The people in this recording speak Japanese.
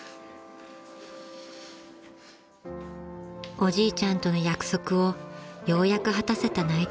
［おじいちゃんとの約束をようやく果たせた内藤君］